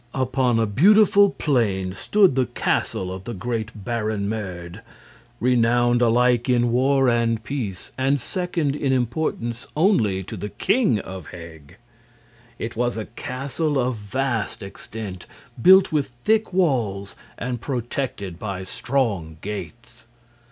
Upon a beautiful plain stood the castle of the great Baron Merd renowned alike in war and peace, and second in importance only to the King of Heg. It was a castle of vast extent, built with thick walls and protected by strong gates.